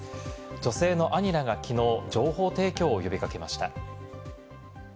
女性の兄らが昨日、情報提供を呼び掛けました。